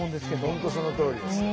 本当そのとおりです。